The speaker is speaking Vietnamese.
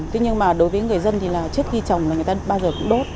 thế nhưng mà đối với người dân thì là trước khi trồng là người ta bao giờ cũng đốt